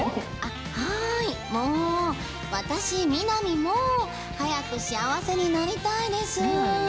はいもう私みな実も早く幸せになりたいです。